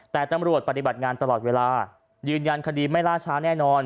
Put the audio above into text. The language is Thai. แต่ตำรวจปฏิบัติงานตลอดเวลายืนยันคดีไม่ล่าช้าแน่นอน